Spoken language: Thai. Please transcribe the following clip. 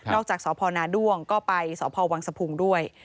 นอกจากสพนาด้วงก็ไปสพวังสภูมิด้วย